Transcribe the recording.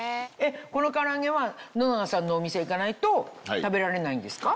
このから揚げは野永さんのお店行かないと食べられないんですか？